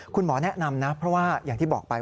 คุณหมอแนะนำนะเพราะว่าอย่างที่บอกไป